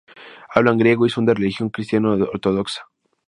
Hablan griego y son de religión cristiana ortodoxa.